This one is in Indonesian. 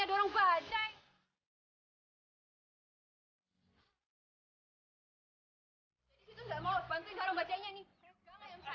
hempungnya kalo word if mau disebut jepang immer